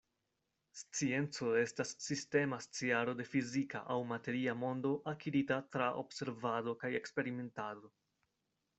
Scienco estas sistema sciaro de fizika aŭ materia mondo akirita tra observado kaj eksperimentado.